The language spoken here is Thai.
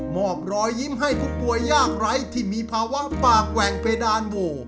อบรอยยิ้มให้ผู้ป่วยยากไร้ที่มีภาวะปากแหว่งเพดานโว